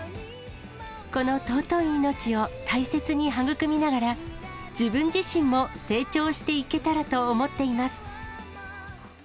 この尊い命を大切に育みながら、自分自身も成長していけたらと思っています。